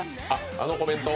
あのコメント？